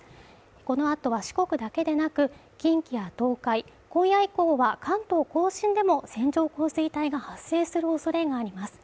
この後は四国だけでなく、近畿や東海、今夜以降は、関東甲信でも線状降水帯が発生するおそれがあります。